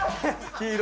黄色。